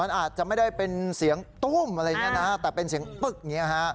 มันอาจจะไม่ได้เป็นเสียงตุ้มอะไรอย่างนี้นะแต่เป็นเสียงปึ๊กอย่างนี้ฮะ